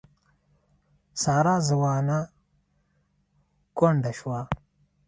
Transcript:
ساره ځوانه کونډه شوه.